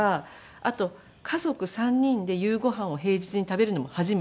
あと家族３人で夕ご飯を平日に食べるのも初めて。